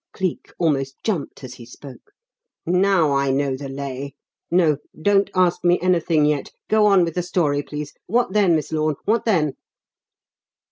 Cleek almost jumped as he spoke. "Now I know the 'lay'! No; don't ask me anything yet. Go on with the story, please. What then, Miss Lorne, what then?"